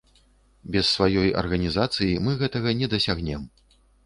Без сваёй арганізацыі мы гэтага не дасягнем.